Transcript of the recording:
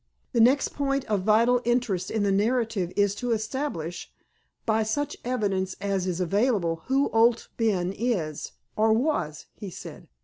"The next point of vital interest in the narrative is to establish, by such evidence as is available, who Owd Ben is, or was," he said.